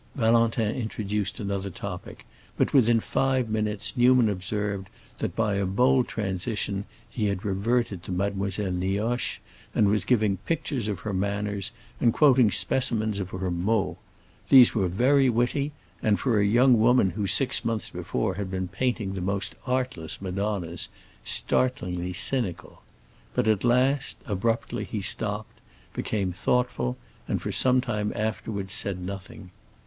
Valentin introduced another topic, but within five minutes Newman observed that, by a bold transition, he had reverted to Mademoiselle Nioche, and was giving pictures of her manners and quoting specimens of her mots. These were very witty, and, for a young woman who six months before had been painting the most artless madonnas, startlingly cynical. But at last, abruptly, he stopped, became thoughtful, and for some time afterwards said nothing.